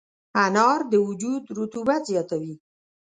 انار د وجود رطوبت زیاتوي.